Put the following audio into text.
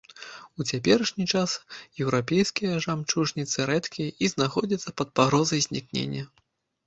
У цяперашні час еўрапейскія жамчужніцы рэдкія і знаходзяцца пад пагрозай знікнення.